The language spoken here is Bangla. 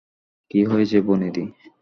কী হয়েছে, বনিদি?